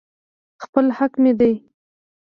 خپل حق مې دى.